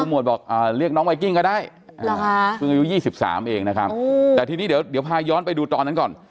หวดบอกเรียกน้องไวกิ้งก็ได้เพิ่งอายุ๒๓เองนะครับแต่ทีนี้เดี๋ยวพาย้อนไปดูตอนนั้นก่อน